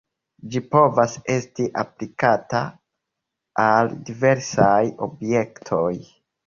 Ĝi povas esti aplikata al diversaj objektoj.